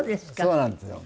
そうなんですよ。